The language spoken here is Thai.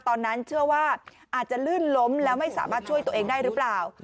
ตอนนั้นเชื่อว่าอาจจะลื่นล้มแล้วไม่สามารถช่วยตัวเองได้หรือเปล่า